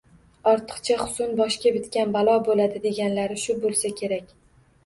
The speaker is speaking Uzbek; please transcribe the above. Ortiqcha husn boshga bitgan balo bo’ladi, deganlari shu bo’lsa kerak.